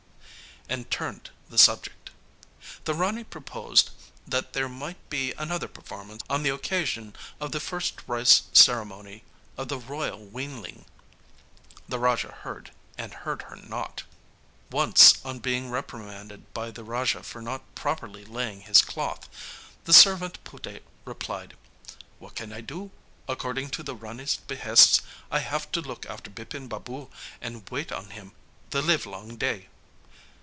and turned the subject. The Rani proposed that there might be another performance on the occasion of the first rice ceremony of the 'royal' weanling. The Raja heard and heard her not. Kachari, generally anglicised as cuteberry: offices and courts. Once on being reprimanded by the Raja for not properly laying his cloth, the servant Puté replied: 'What can I do? According to the Rani's behests I have to look after Bipin Babu and wait on him the livelong day.'